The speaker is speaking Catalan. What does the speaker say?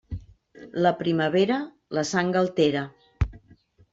La primavera, la sang altera.